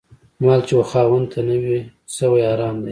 مال چي و خاوند ته نه وي سوی، حرام دی